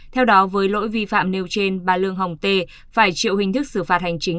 theo đó với lỗi vi phạm nêu trên bà lương hồng tê phải chịu hình thức xử phạt hành chính